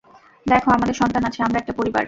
দেখো আমাদের সন্তান আছে, আমরা একটা পরিবার।